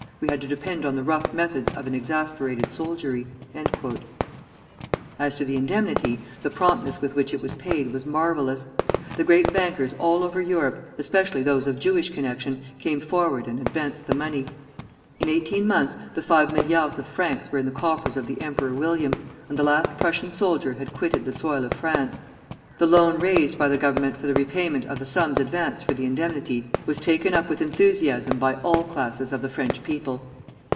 We had to depend on the rough methods of an exasperated soldiery." As to the indemnity, the promptness with which it was paid was marvellous. The great bankers all over Europe, especially those of Jewish connection, came forward and advanced the money. In eighteen months the five milliards of francs were in the coffers of the Emperor William, and the last Prussian soldier had quitted the soil of France. The loan raised by the Government for the repayment of the sums advanced for the indemnity was taken up with enthusiasm by all classes of the French people.